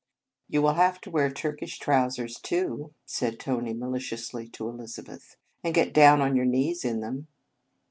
"You will have to wear Turkish trousers, too," said Tony maliciously to Elizabeth; "and get down on your knees in them."